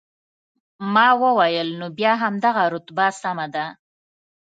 ما وویل، نو بیا همدغه رتبه سمه ده.